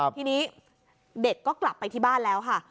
ทีนี้เด็กก็กลับไปที่บ้านแล้วค่ะ